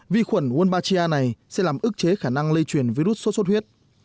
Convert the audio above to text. vi khuẩn wombatia này sẽ làm ức chế khả năng lây truyền virus sốt sốt huyết